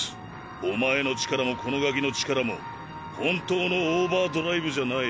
お前の力もこのガキの力も本当のオーバードライブじゃない。